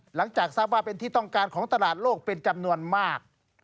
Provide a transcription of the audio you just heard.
หลังจากทราบว่าเป็นที่ต้องการของตลาดโลกเป็นจำนวนมาก